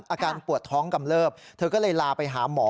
อาการปวดท้องกำเลิบเธอก็เลยลาไปหาหมอ